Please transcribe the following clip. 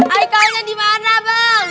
aikalnya dimana bang